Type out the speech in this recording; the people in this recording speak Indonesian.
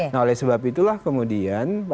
nah oleh sebab itulah kemudian